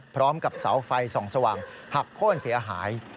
พร้อมกับเสาไฟส่องสว่างหักโค้นเสียหาย